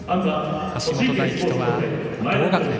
橋本大輝とは同学年。